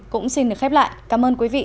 cũng xin được khép lại cảm ơn quý vị